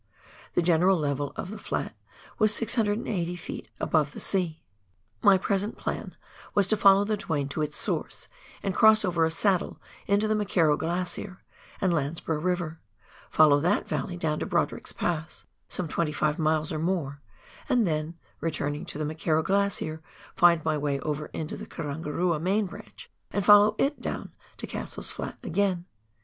The general level of the flat was 680 ft. above the sea. My present plan was to follow the Twain to its source, and cross over a saddle into the McKerrow Glacier, and Landsborough E,iver ; follow that valley down to Brodrick's Pass — some 25 miles or more — and then, returning to the McKerrow Glacier, find my way over into the Karangarua main branch and follow it down to Cassell's Flat again.